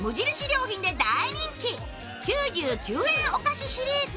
良品で大人気、９９円お菓子シリーズ。